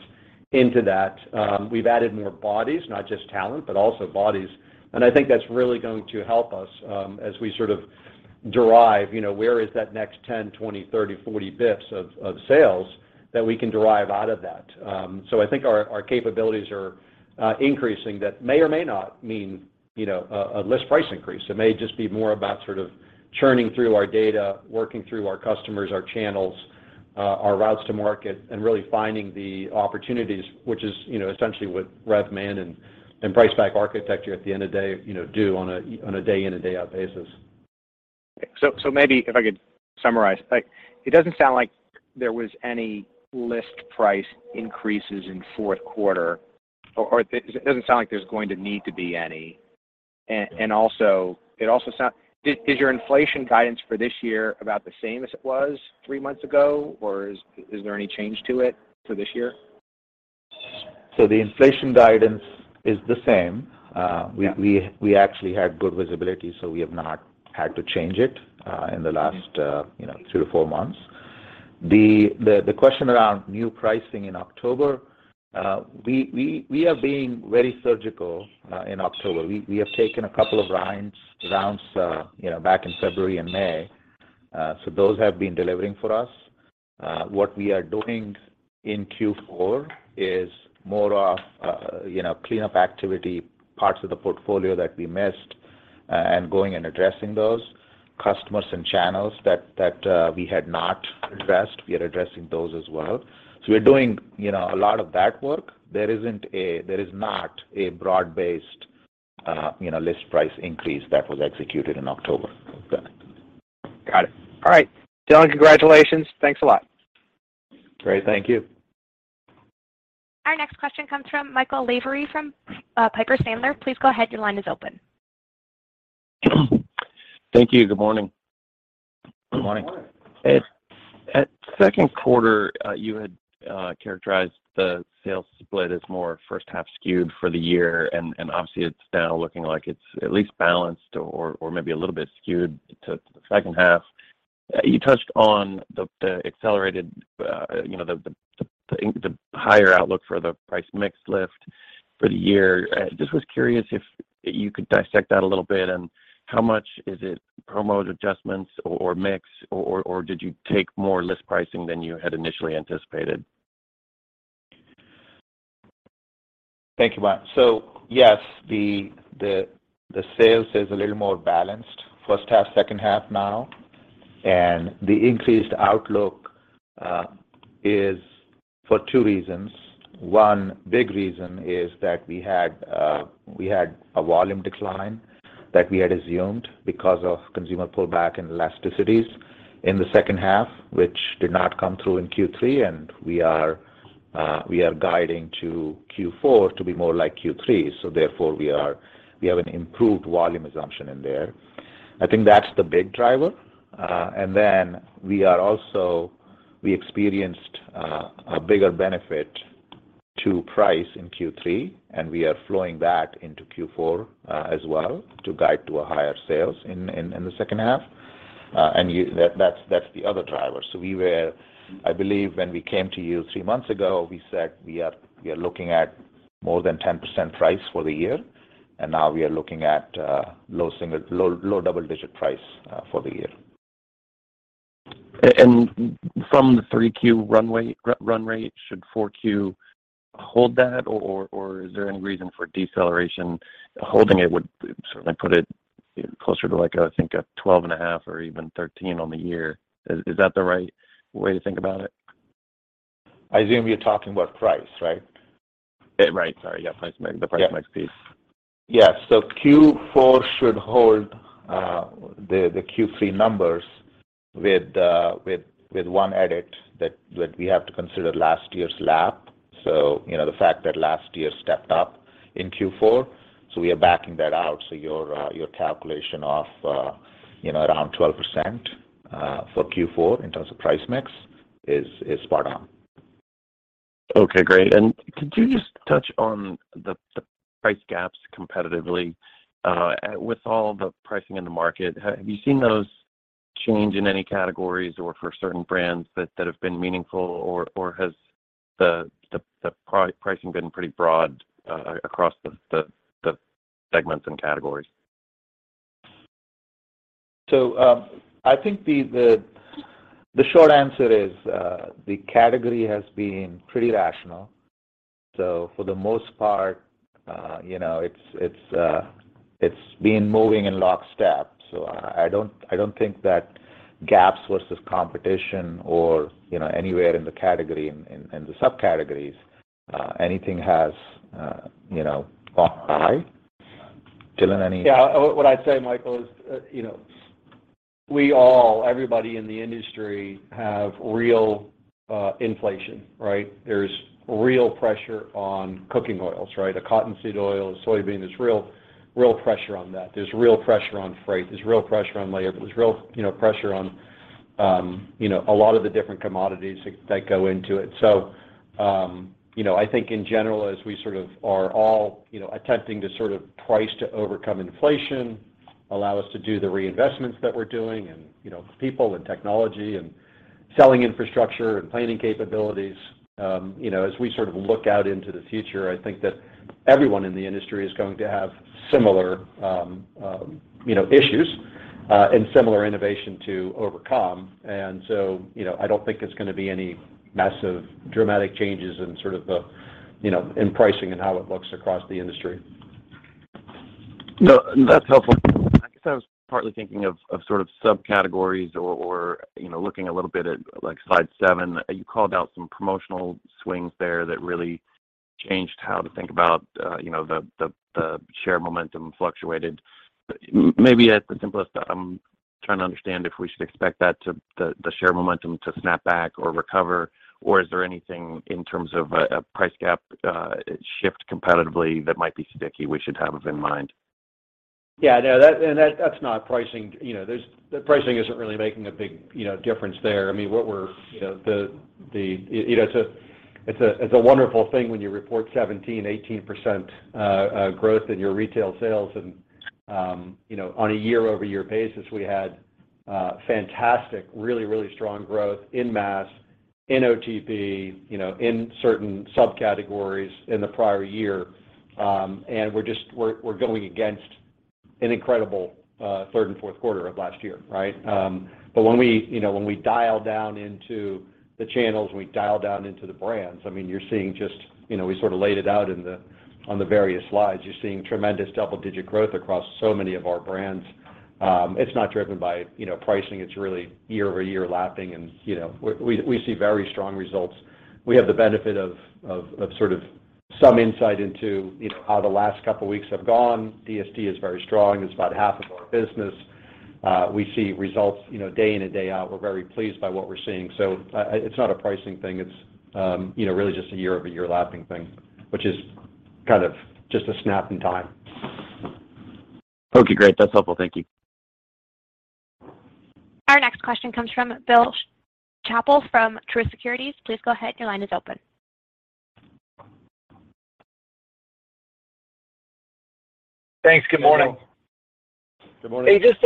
into that. We've added more bodies, not just talent, but also bodies. I think that's really going to help us as we sort of derive, you know, where is that next 10, 20, 30, 40 bits of sales that we can derive out of that. I think our capabilities are increasing. That may or may not mean, you know, a list price increase. It may just be more about sort of churning through our data, working through our customers, our channels, our routes to market, and really finding the opportunities, which is, you know, essentially what RevMan and price pack architecture at the end of the day, you know, do on a day in and day out basis. Maybe if I could summarize. Like, it doesn't sound like there was any list price increases in fourth quarter. It doesn't sound like there's going to need to be any. Is your inflation guidance for this year about the same as it was three months ago, or is there any change to it for this year? The inflation guidance is the same. We- Yeah. We actually had good visibility, so we have not had to change it in the last you know 2-4 months. The question around new pricing in October, we are being very surgical in October. We have taken a couple of rounds you know back in February and May, so those have been delivering for us. What we are doing in Q4 is more of you know cleanup activity, parts of the portfolio that we missed. Going and addressing those customers and channels that we had not addressed, we are addressing those as well. We're doing, you know, a lot of that work. There is not a broad-based, you know, list price increase that was executed in October. Got it. All right. Dylan, congratulations. Thanks a lot. Great. Thank you. Our next question comes from Michael Lavery from Piper Sandler. Please go ahead. Your line is open. Thank you. Good morning. Good morning. Good morning. At second quarter, you had characterized the sales split as more first half skewed for the year, and obviously it's now looking like it's at least balanced or maybe a little bit skewed to the second half. You touched on the accelerated, you know, the higher outlook for the price mix lift for the year. Just was curious if you could dissect that a little bit and how much is it promote adjustments or mix or did you take more list pricing than you had initially anticipated? Thank you, Mike. Yes, the sales is a little more balanced first half, second half now, and the increased outlook is for two reasons. One big reason is that we had a volume decline that we had assumed because of consumer pullback and elasticities in the second half, which did not come through in Q3, and we are guiding to Q4 to be more like Q3. Therefore we have an improved volume assumption in there. I think that's the big driver. Then we are also. We experienced a bigger benefit to price in Q3, and we are flowing that into Q4 as well to guide to a higher sales in the second half. That's the other driver. I believe when we came to you three months ago, we said we are looking at more than 10% price for the year, and now we are looking at low double-digit price for the year. From the 3Q run rate, should 4Q hold that or is there any reason for deceleration? Holding it would certainly put it closer to like, I think, 12.5% or even 13% on the year. Is that the right way to think about it? I assume you're talking about price, right? Right. Sorry. Yeah, price mix, the price mix piece. Yeah. Q4 should hold the Q3 numbers with one edit that we have to consider last year's comp. You know, the fact that last year stepped up in Q4, so we are backing that out. Your calculation of, you know, around 12% for Q4 in terms of price mix is spot on. Okay, great. Could you just touch on the price gaps competitively, with all the pricing in the market, have you seen those change in any categories or for certain brands that have been meaningful or has the pricing been pretty broad across the segments and categories? I think the short answer is, the category has been pretty rational. For the most part, you know, it's been moving in lockstep. I don't think that gaps versus competition or, you know, anywhere in the category in the subcategories, anything has, you know, gone high. Dylan, any- Yeah. What I'd say, Michael, is, you know, we all, everybody in the industry have real inflation, right? There's real pressure on cooking oils, right? Cottonseed oil, soybean, there's real pressure on that. There's real pressure on freight, there's real pressure on labor, there's real, you know, pressure on, you know, a lot of the different commodities that go into it. You know, I think in general, as we sort of are all, you know, attempting to sort of price to overcome inflation, allow us to do the reinvestments that we're doing and, you know, people and technology and selling infrastructure and planning capabilities, you know, as we sort of look out into the future, I think that everyone in the industry is going to have similar, you know, issues and similar innovation to overcome. You know, I don't think there's gonna be any massive dramatic changes in sort of the, you know, in pricing and how it looks across the industry. No, that's helpful. I guess I was partly thinking of sort of subcategories or, you know, looking a little bit at like slide seven, you called out some promotional swings there that really changed how to think about, you know, the share momentum fluctuated. Maybe at the simplest, I'm trying to understand if we should expect that to the share momentum to snap back or recover, or is there anything in terms of a price gap shift competitively that might be sticky we should have in mind? Yeah. No, that's not pricing. The pricing isn't really making a big difference there. You know, it's a wonderful thing when you report 17%-18% growth in your retail sales and, you know, on a year-over-year basis, we had fantastic really strong growth in mass, in OTB, you know, in certain subcategories in the prior year. We're going against an incredible third and fourth quarter of last year, right? When we dial down into the channels, when we dial down into the brands, I mean, you're seeing just, you know, we sort of laid it out on the various slides. You're seeing tremendous double-digit growth across so many of our brands. It's not driven by, you know, pricing. It's really year-over-year lapping and, you know, we see very strong results. We have the benefit of sort of some insight into, you know, how the last couple of weeks have gone. DSD is very strong. It's about half of our business. We see results, you know, day in and day out. We're very pleased by what we're seeing. It's not a pricing thing, it's, you know, really just a year-over-year lapping thing, which is kind of just a snap in time. Okay, great. That's helpful. Thank you. Our next question comes from Bill Chappell from Truist Securities. Please go ahead, your line is open. Thanks. Good morning. Good morning. Hey, just,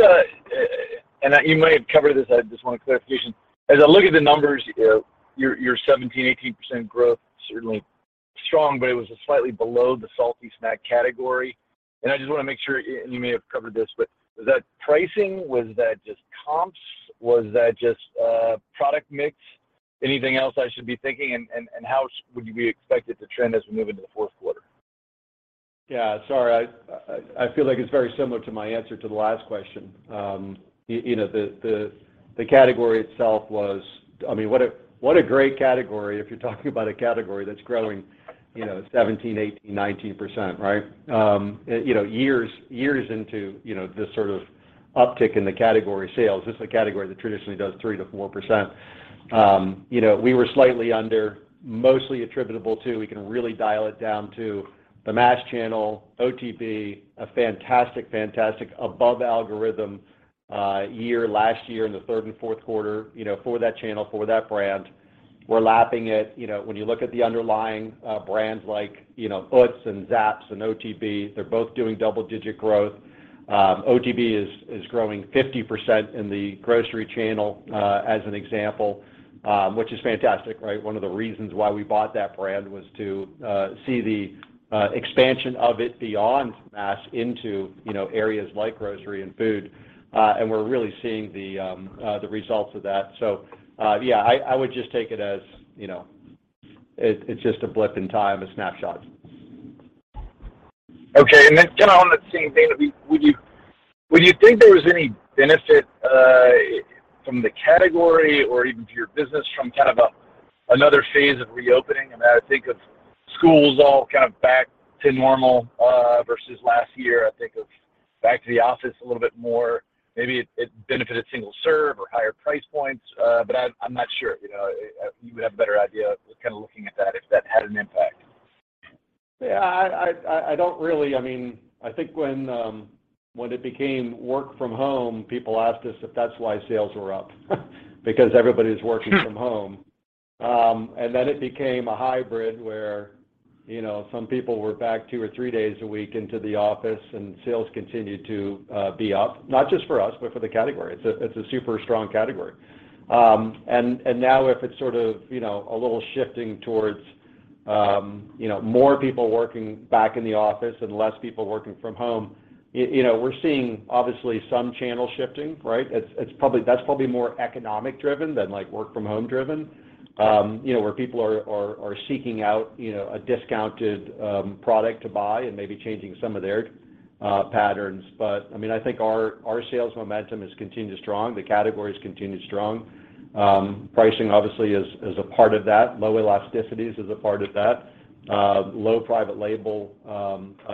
and you might have covered this, I just want a clarification. As I look at the numbers, your 17%-18% growth, certainly strong, but it was slightly below the salty snack category. I just wanna make sure, and you may have covered this, but is that pricing? Was that just comps? Was that just product mix? Anything else I should be thinking, and how would we expect it to trend as we move into the fourth quarter? Yeah, sorry. I feel like it's very similar to my answer to the last question. You know, the category itself was, I mean, what a great category if you're talking about a category that's growing, you know, 17%, 18%, 19%, right? You know, years into this sort of uptick in the category sales. This is a category that traditionally does 3%-4%. You know, we were slightly under, mostly attributable to, we can really dial it down to the mass channel, OTB, a fantastic above-average year last year in the third and fourth quarter, you know, for that channel, for that brand. We're lapping it. You know, when you look at the underlying brands like, you know, Utz and Zapp's and OTB, they're both doing double-digit growth. OTB is growing 50% in the grocery channel, as an example, which is fantastic, right? One of the reasons why we bought that brand was to see the expansion of it beyond mass into, you know, areas like grocery and food. We're really seeing the results of that. Yeah, I would just take it as, you know, it's just a blip in time, a snapshot. Okay. Kind of on that same vein, would you think there was any benefit from the category or even to your business from kind of another phase of reopening? I mean, I think of schools all kind of back to normal versus last year. I think of back to the office a little bit more. Maybe it benefited single-serve or higher price points, but I'm not sure. You know, you would have a better idea kind of looking at that, if that had an impact. Yeah, I don't really. I mean, I think when it became work from home, people asked us if that's why sales were up because everybody's working from home. It became a hybrid where, you know, some people were back two or three days a week into the office and sales continued to be up, not just for us, but for the category. It's a super strong category. Now if it's sort of, you know, a little shifting towards, you know, more people working back in the office and less people working from home, you know, we're seeing obviously some channel shifting, right? It's probably more economic-driven than, like, work from home-driven, you know, where people are seeking out, you know, a discounted product to buy and maybe changing some of their patterns. I mean, I think our sales momentum has continued strong. The category has continued strong. Pricing obviously is a part of that. Low elasticities is a part of that. Low private label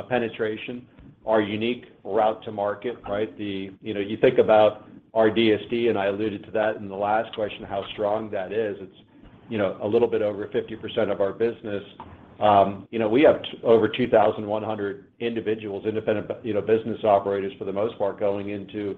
penetration. Our unique route to market, right? You know, you think about our DSD, and I alluded to that in the last question, how strong that is. It's you know, a little bit over 50% of our business. You know, we have over 2,100 individuals, independent business operators for the most part, going into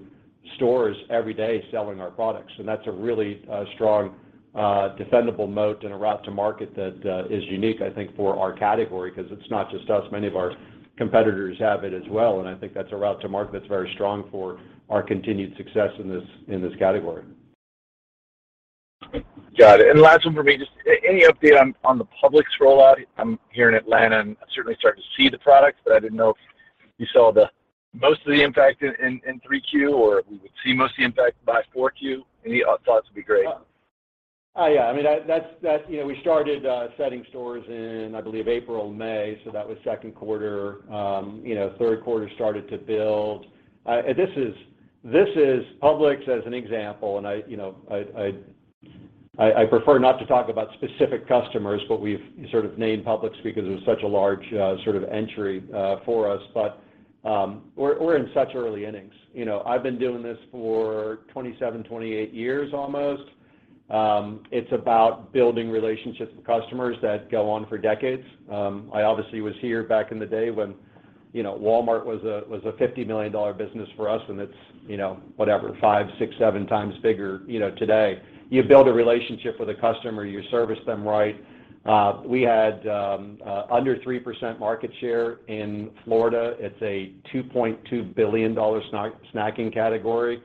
stores every day selling our products. That's a really strong defendable moat and a route to market that is unique, I think, for our category because it's not just us. Many of our competitors have it as well, and I think that's a route to market that's very strong for our continued success in this category. Got it. Last one for me, just any update on the Publix rollout? I'm here in Atlanta, and I'm certainly starting to see the products, but I didn't know if you saw the most of the impact in 3Q, or if we would see most of the impact by 4Q. Any thoughts would be great. Yeah. I mean, that's you know, we started setting stores in, I believe, April, May. That was second quarter. You know, third quarter started to build. This is Publix as an example. I prefer not to talk about specific customers, but we've sort of named Publix because it was such a large sort of entry for us. We're in such early innings. You know, I've been doing this for 27, 28 years almost. It's about building relationships with customers that go on for decades. I obviously was here back in the day when, you know, Walmart was a $50 million business for us, and it's, you know, whatever, 5, 6, 7 times bigger, you know, today. You build a relationship with a customer, you service them right. We had under 3% market share in Florida. It's a $2.2 billion snacking category.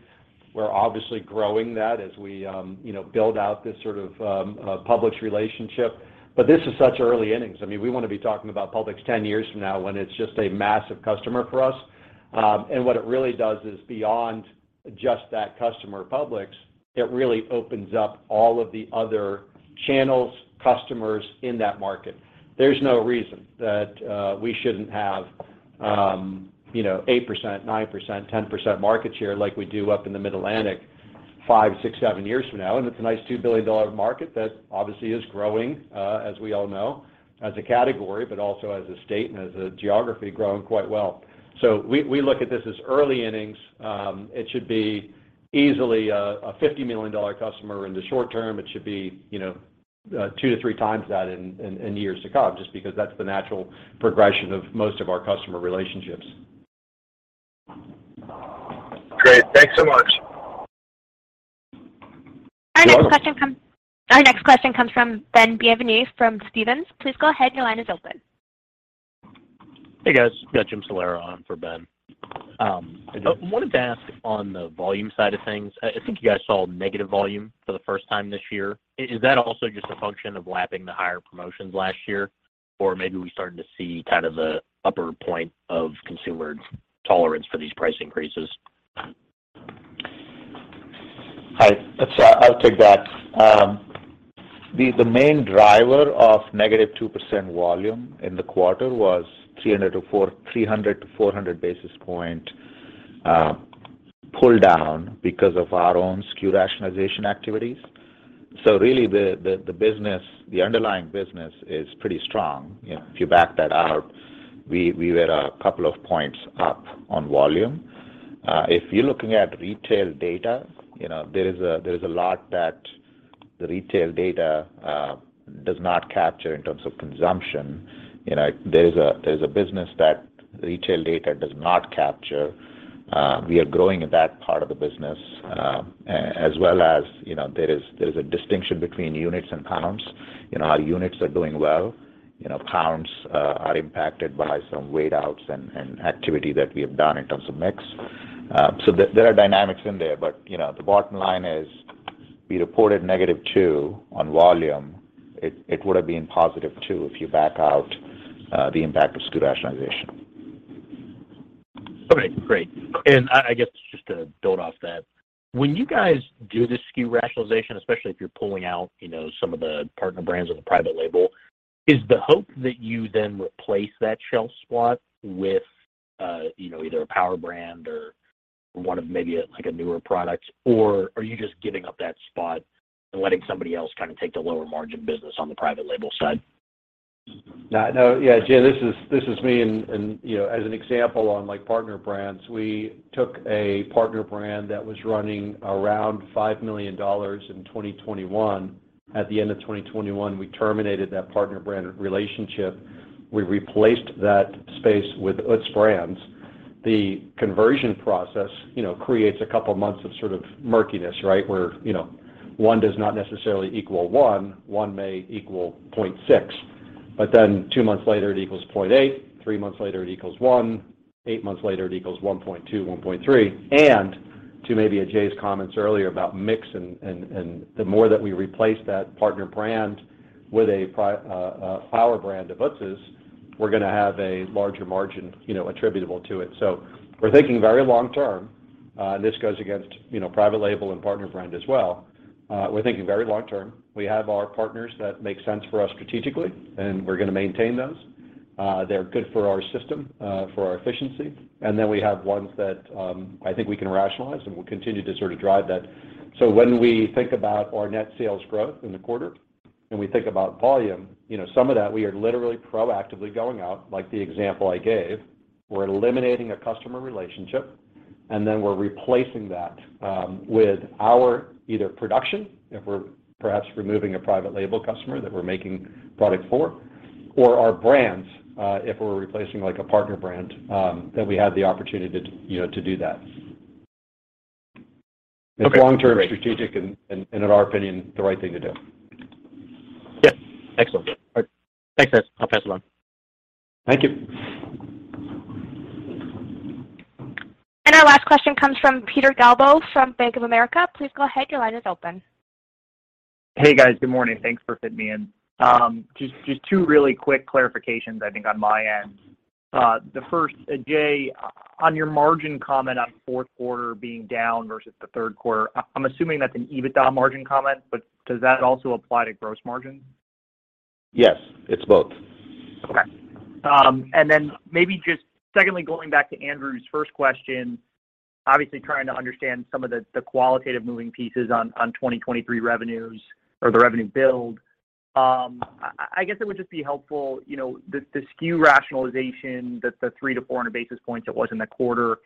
We're obviously growing that as we, you know, build out this sort of Publix relationship. This is such early innings. I mean, we wanna be talking about Publix ten years from now when it's just a massive customer for us. What it really does is beyond just that customer, Publix, it really opens up all of the other channels customers in that market. There's no reason that we shouldn't have, you know, 8%, 9%, 10% market share like we do up in the Mid-Atlantic 5, 6, 7 years from now. It's a nice $2 billion market that obviously is growing as we all know as a category, but also as a state and as a geography growing quite well. We look at this as early innings. It should be easily a $50 million customer in the short term. It should be, you know, 2 to 3 times that in years to come, just because that's the natural progression of most of our customer relationships. Great. Thanks so much. Our next question comes from Ben Bienvenu from Stephens. Please go ahead, your line is open. Hey, guys. Got Jim Salera on for Ben. I wanted to ask on the volume side of things, I think you guys saw negative volume for the first time this year. Is that also just a function of lapping the higher promotions last year? Or maybe we're starting to see kind of the upper point of consumer tolerance for these price increases. Hi. That's. I'll take that. The main driver of negative 2% volume in the quarter was 300-400 basis points pull down because of our own SKU rationalization activities. Really the underlying business is pretty strong. You know, if you back that out, we were a couple of points up on volume. If you're looking at retail data, you know, there is a lot that the retail data does not capture in terms of consumption. You know, there is a business that retail data does not capture. We are growing in that part of the business, as well as, you know, there is a distinction between units and pounds. You know, our units are doing well. You know, pounds are impacted by some weight outs and activity that we have done in terms of mix. There are dynamics in there. You know, the bottom line is we reported -2% on volume. It would have been +2% if you back out the impact of SKU rationalization. Okay, great. I guess just to build off that, when you guys do the SKU rationalization, especially if you're pulling out, you know, some of the partner brands or the private label, is the hope that you then replace that shelf spot with, you know, either a power brand or one of maybe, like a newer product? Or are you just giving up that spot and letting somebody else kind of take the lower margin business on the private label side? No, no. Yeah, Ajay, this is me. You know, as an example on like partner brands, we took a partner brand that was running around $5 million in 2021. At the end of 2021, we terminated that partner brand relationship. We replaced that space with Utz Brands. The conversion process, you know, creates a couple of months of sort of murkiness, right? Where, you know, one does not necessarily equal one. One may equal 0.6. Then two months later it equals 0.8, three months later it equals one, eight months later it equals 1.2, 1.3. To maybe Ajay's comments earlier about mix and the more that we replace that partner brand with a power brand of Utz's, we're gonna have a larger margin, you know, attributable to it. We're thinking very long term, and this goes against, you know, private label and partner brand as well. We're thinking very long term. We have our partners that make sense for us strategically, and we're gonna maintain those. They're good for our system, for our efficiency. Then we have ones that, I think we can rationalize, and we'll continue to sort of drive that. When we think about our net sales growth in the quarter and we think about volume, you know, some of that we are literally proactively going out, like the example I gave. We're eliminating a customer relationship, and then we're replacing that with our either production, if we're perhaps removing a private label customer that we're making product for, or our brands, if we're replacing like a partner brand that we had the opportunity to, you know, to do that. Okay. It's long-term strategic and in our opinion, the right thing to do. Yeah. Excellent. All right. Thanks, guys. I'll pass it on. Thank you. Our last question comes from Peter Galbo from Bank of America. Please go ahead, your line is open. Hey, guys. Good morning. Thanks for fitting me in. Just two really quick clarifications I think on my end. The first, Ajay, on your margin comment on fourth quarter being down versus the third quarter, I'm assuming that's an EBITDA margin comment, but does that also apply to gross margin? Yes, it's both. Okay. Maybe just secondly, going back to Andrew's first question, obviously trying to understand some of the qualitative moving pieces on 2023 revenues or the revenue build. I guess it would just be helpful, you know, the SKU rationalization, the 300-400 basis points that was in the quarter,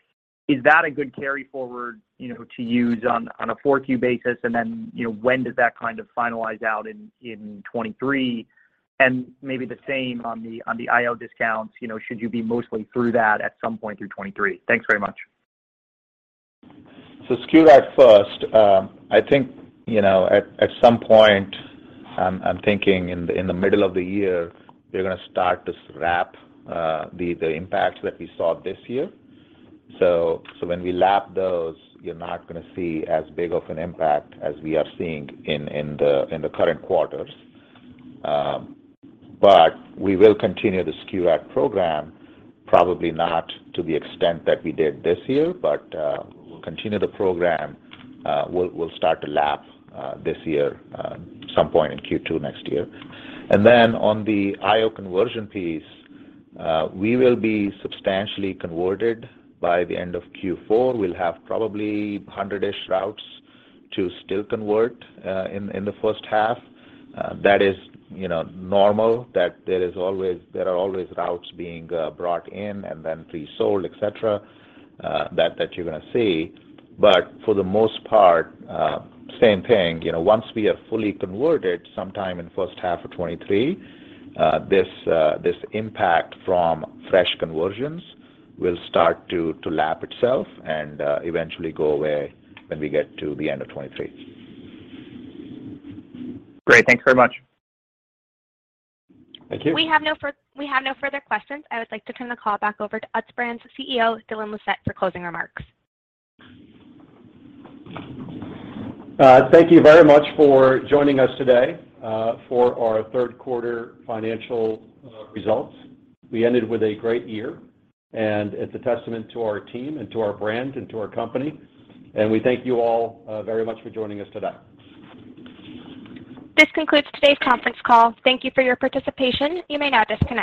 is that a good carry forward, you know, to use on a 4Q basis? And then, you know, when does that kind of finalize out in 2023? And maybe the same on the IO discounts. You know, should you be mostly through that at some point through 2023? Thanks very much. SKU diet first. I think, you know, at some point, I'm thinking in the middle of the year, we're gonna start to lap the impacts that we saw this year. When we lap those, you're not gonna see as big of an impact as we are seeing in the current quarters. We will continue the SKU diet program, probably not to the extent that we did this year. We'll continue the program. We'll start to lap this year some point in Q2 next year. On the IO conversion piece, we will be substantially converted by the end of Q4. We'll have probably hundred-ish routes to still convert in the first half. That is, you know, normal that there are always routes being brought in and then pre-sold, et cetera, that you're gonna see. For the most part, same thing. You know, once we are fully converted sometime in the first half of 2023, this impact from fresh conversions will start to lap itself and eventually go away when we get to the end of 2023. Great. Thank you very much. Thank you. We have no further questions. I would like to turn the call back over to Utz Brands CEO, Dylan Lissette for closing remarks. Thank you very much for joining us today, for our third quarter financial results. We ended with a great year, and it's a testament to our team and to our brand and to our company, and we thank you all, very much for joining us today. This concludes today's conference call. Thank you for your participation. You may now disconnect.